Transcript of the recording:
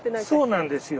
そうなんですよ。